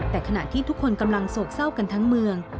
แต่ขณะที่ทุกคนกำลังโศกเศร้ากันทั้งเมือง